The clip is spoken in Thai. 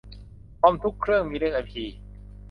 คอมทุกเครื่องมีเลขไอพี